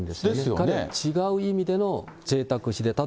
彼は違う意味でのぜいたくしてた。